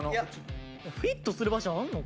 フィットする場所あるの？